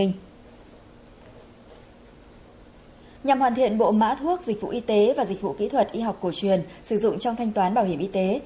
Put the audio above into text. nhằm hoàn thiện bộ mã thuốc dịch vụ y tế và dịch vụ kỹ thuật y học cổ truyền sử dụng trong thanh toán bảo hiểm y tế